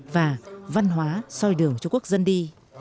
và văn hóa soi đường cho quốc dân đi